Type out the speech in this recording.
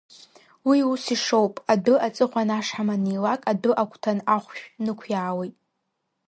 Уи ус ишоуп, адәы аҵыхәан ашҳам анилак, адәы агәҭан ахәшә нықәиаауеит.